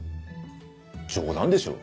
冗談でしょう？